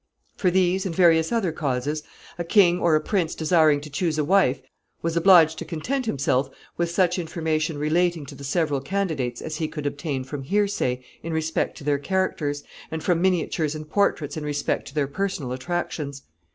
] For these and various other causes, a king or a prince desiring to choose a wife was obliged to content himself with such information relating to the several candidates as he could obtain from hearsay in respect to their characters, and from miniatures and portraits in respect to their personal attractions.